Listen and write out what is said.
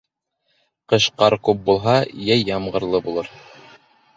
Ҡыш ҡар күп булһа, йәй ямғырлы булыр.